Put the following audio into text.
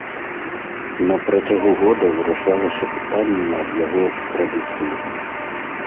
На працягу года вырашалася пытанне аб яго экстрадыцыі.